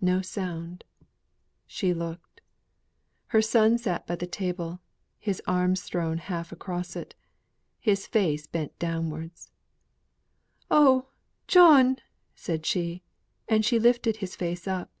No sound. She looked. Her son sate by the table, his arms thrown half across it, his head bent face downwards. "Oh, John!" she said, and she lifted his face up.